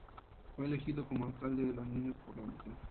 Fue elegido como el Alcalde de los niños por la Unicef.